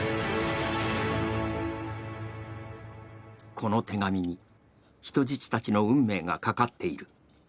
この手紙に人質たちの運命がかかっている。